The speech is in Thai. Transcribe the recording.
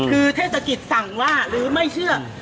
คือเทศกิจสั่งว่าหรือไม่เชื่อ